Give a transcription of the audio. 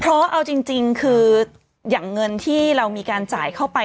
เพราะเอาจริงคืออย่างเงินที่เรามีการจ่ายเข้าไป